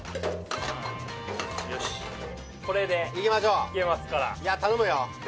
３よしこれでいきましょういけますからいや頼むよ